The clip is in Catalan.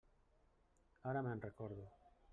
Ara me'n recordo.